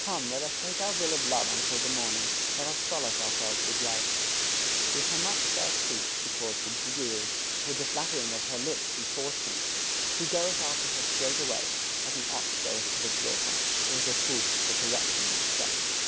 Come, let us take our fill of love until the morning: Let us solace ourselves with loves. With her much fair speech she caused him to yield, With the flattering of her lips she forced him. He goeth after her straightway, As an ox goeth to the slaughter, Or as a fool to the correction of the stocks."